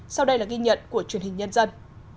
sau đây là ghi nhận của truyền hình nhân dân